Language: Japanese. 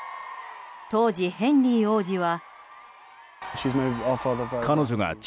当時、ヘンリー王子は。